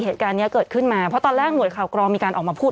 เหตุการณ์นี้เกิดขึ้นมาเพราะตอนแรกหน่วยข่าวกรองมีการออกมาพูด